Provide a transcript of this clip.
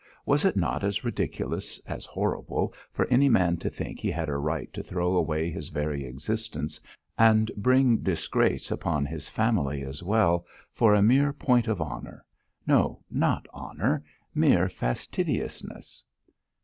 Was it not as ridiculous as horrible for any man to think he had a right to throw away his very existence, and bring disgrace upon his family as well, for a mere point of honour no, not honour, mere fastidiousness!